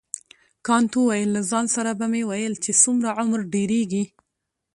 کانت وویل له ځان سره به مې ویل چې څومره عمر ډیریږي.